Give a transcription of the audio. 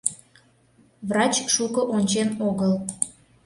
Врач шуко ончен огыл.